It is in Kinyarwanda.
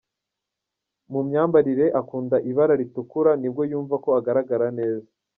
Mu myambarire akunda ibara ritukura nibwo yumva ko agaragara neza.